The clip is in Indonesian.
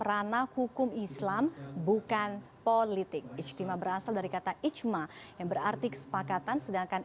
ranah hukum islam bukan politik istimewa berasal dari kata ijma yang berarti kesepakatan sedangkan